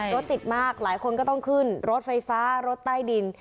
รถติดมากหลายคนก็ต้องขึ้นรถไฟฟ้ารถใต้ดิน